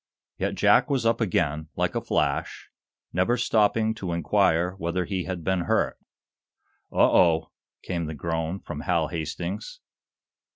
Yet Jack was up again, like a flash, never stopping to inquire whether he had been hurt. "O oh!" came the groan, from Hal Hastings.